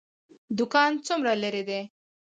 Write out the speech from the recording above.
دکان څومره لرې دی؟